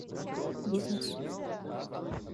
бизнес